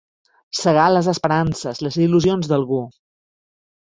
Segar les esperances, les il·lusions, d'algú.